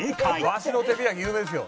「いわしの手開き有名ですよ